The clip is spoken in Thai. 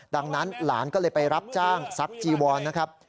ดังนั้นหลานก็เลยไปรับจ้างซักจีวอนนะครับ